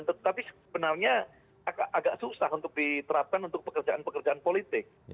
tetapi sebenarnya agak susah untuk diterapkan untuk pekerjaan pekerjaan politik